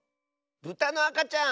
ブタのあかちゃん！